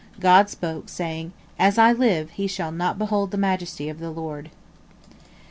God spoke, saying, "As I live, he shall not behold the majesty of the Lord."